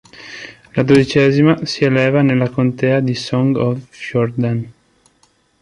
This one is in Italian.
La dodicesima si eleva nella contea di Sogn og Fjordane.